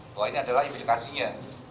bahwa ini adalah imbecikasinya